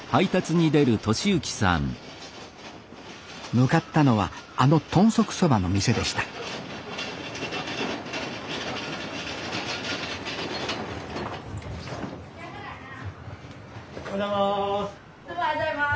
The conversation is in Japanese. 向かったのはあの豚足そばの店でしたおはようございます。